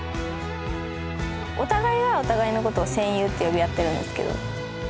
お互いがお互いのことを戦友って呼び合ってるんですけど。